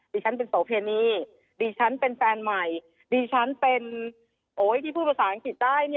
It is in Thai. ดิฉันเป็นโสเพณีดิฉันเป็นแฟนใหม่ดิฉันเป็นโอ๊ยที่พูดภาษาอังกฤษได้